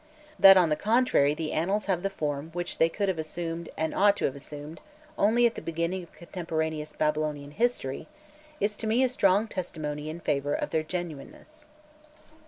That, on the contrary, the annals have the form which they could have assumed and ought to have assumed only at the beginning of contemporaneous Babylonian history, is to me a strong testimony in favour of their genuineness.